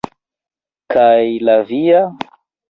Kaj la via?